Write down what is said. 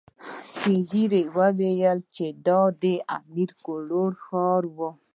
سپين ږيرو ويل چې دا د امير کروړ ښار و.